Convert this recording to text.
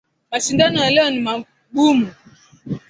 Mashindano ya leo ni magumu.